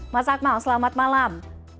mas akmal selamat malam